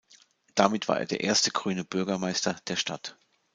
Damit war er der erste grüne Bürgermeister der Stadt.